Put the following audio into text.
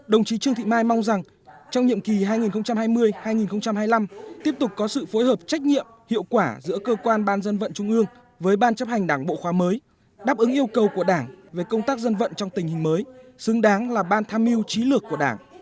đồng chí trương thị mai mong rằng trong nhiệm kỳ hai nghìn hai mươi hai nghìn hai mươi năm tiếp tục có sự phối hợp trách nhiệm hiệu quả giữa cơ quan ban dân vận trung ương với ban chấp hành đảng bộ khoa mới đáp ứng yêu cầu của đảng về công tác dân vận trong tình hình mới xứng đáng là ban tham mưu trí lược của đảng